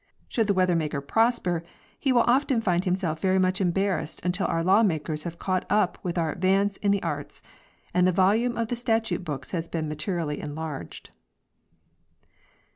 Should the weather maker prosper he will often find himself very much embarrassed until our law makers have caught up with our advance in the arts, and the volume of the statute books has been materially enlarged.